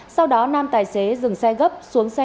sau đó nam tài xế dừng xe gấp xuống xe